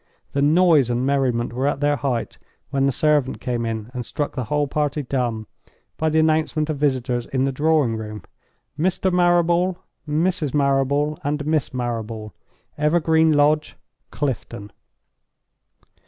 The noise and merriment were at their height when the servant came in, and struck the whole party dumb by the announcement of visitors in the drawing room. "Mr. Marrable, Mrs. Marrable, and Miss Marrable; Evergreen Lodge, Clifton."